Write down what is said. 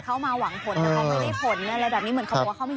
เข้ามาหวังผลนะครับไม่ได้ผลอะไรแบบนี้